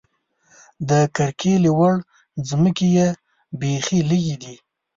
د کرکیلې وړ ځمکې یې بېخې لږې دي.